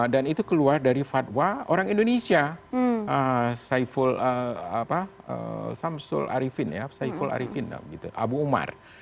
dan itu keluar dari fatwa orang indonesia saiful arifin abu umar